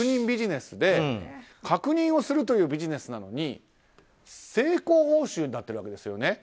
ビジネスで確認をするというビジネスなのに成功報酬になっているわけです。